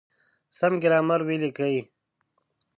سم ګرامر وليکئ!.